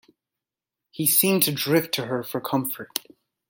He seemed to drift to her for comfort.